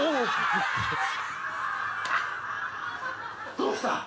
どうした？